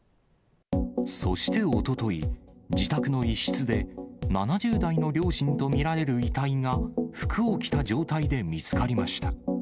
そしておととい、自宅の一室で、７０代の両親と見られる遺体が服を着た状態で見つかりました。